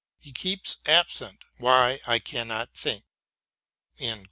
He keeps absent, — why, I cannot thint.